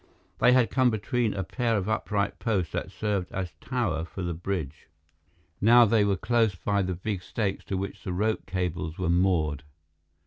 They had come between a pair of upright posts that served as tower for the bridge; now they were close by the big stakes to which the rope cables were moored.